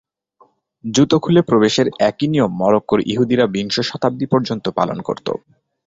জুতো খুলে প্রবেশের একই নিয়ম মরক্কোর ইহুদিরা বিংশ শতাব্দী পর্যন্ত পালন করতো।